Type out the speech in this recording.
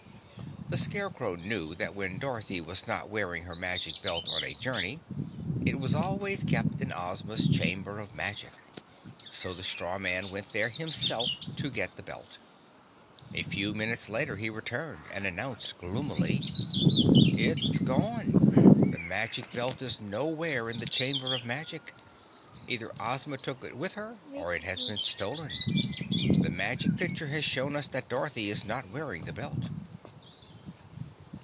The Scarecrow knew that when Dorothy was not wearing her Magic Belt on a journey, it was always kept in Ozma's Chamber of Magic. So the straw man went there himself to get the belt. A few minutes later he returned and announced gloomily, "It's gone. The Magic Belt is nowhere in the Chamber of Magic. Either Ozma took it with her, or it has been stolen. The Magic Picture has shown us that Dorothy is not wearing the belt."